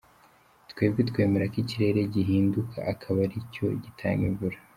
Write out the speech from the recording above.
Twebwe twemera ko ikirere gihinduka akaba aricyo gitanga imvura.